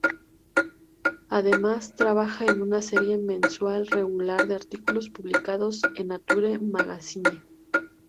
Además trabajaba en una serie mensual regular de artículos publicados en Nature Magazine.